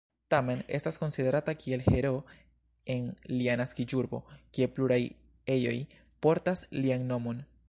Tamen estas konsiderata kiel heroo en lia naskiĝurbo kie pluraj ejoj portas lian nomon.